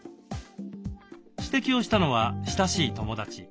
指摘をしたのは親しい友達。